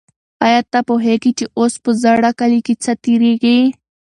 آیا ته پوهېږې چې اوس په زاړه کلي کې څه تېرېږي؟